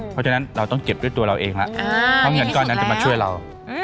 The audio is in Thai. เพราะฉะนั้นเราต้องเก็บด้วยตัวเราเองแล้วเพราะเงินก้อนนั้นจะมาช่วยเรา